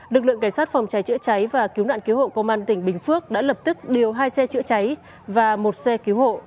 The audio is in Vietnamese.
lực lượng cảnh sát phòng cháy chữa cháy và cứu nạn cứu hộ công an tỉnh bình phước đã lập tức điều hai xe chữa cháy và một xe cứu hộ